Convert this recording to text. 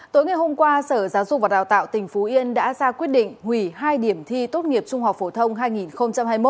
tối ngày hôm qua sở giáo dục và đào tạo tỉnh phú yên đã ra quyết định hủy hai điểm thi tốt nghiệp trung học phổ thông hai nghìn hai mươi một